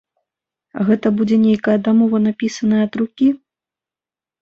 Гэта будзе нейкая дамова, напісаная ад рукі?